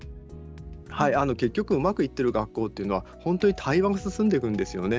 結局、うまくいっている学校というのは対話が進んでいるんですよね。